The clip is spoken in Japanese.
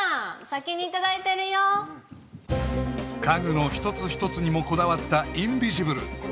先にいただいてるよ家具の一つ一つにもこだわった「インビジブル」